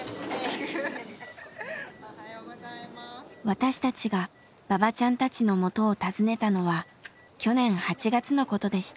私たちがばばちゃんたちの元を訪ねたのは去年８月のことでした。